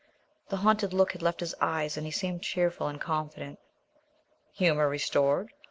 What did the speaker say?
The haunted look had left his eyes, and he seemed cheerful and confident. "Humour restored?"